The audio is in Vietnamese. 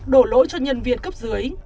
đổ lỗi cho nhân viên cấp dưới